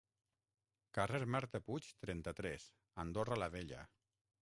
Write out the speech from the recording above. Carrer marta puig, trenta-tres, Andorra La Vella.